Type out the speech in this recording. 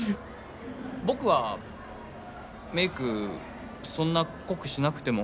僕はメイクそんな濃くしなくても。